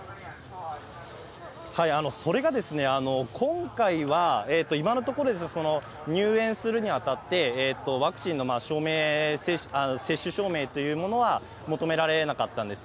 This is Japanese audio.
それが今回は、今のところ、入園するにあたって、ワクチンの接種証明というものは求められなかったんですね。